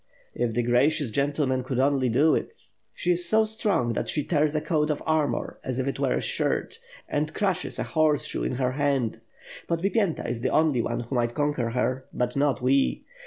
"If the gracious gentlemen could only do it! She is so strong that she tears a coat of armor as if it were a shirt and crushes a horseshoe in her hand. Podbipyenta is the only one who might conquer her, but not we.